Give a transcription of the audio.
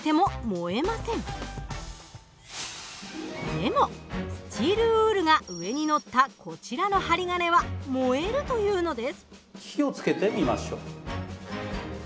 でもスチールウールが上に載ったこちらの針金は燃えるというのです。